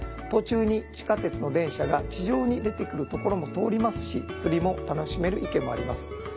途中に地下鉄の電車が地上に出てくる所も通りますし釣りも楽しめる池もあります。